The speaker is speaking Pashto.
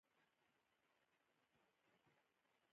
راکټ د وسلو د فابریکو یوه مهمه برخه ده